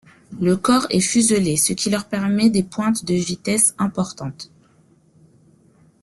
Le corps est fuselé, ce qui leur permet des pointes de vitesse importantes.